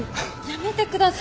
やめてください。